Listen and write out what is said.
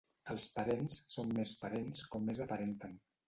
Els parents són més parents com més aparenten.